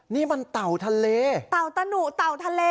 นี่มันเต่าทะเลเต่าตะหนุเต่าทะเล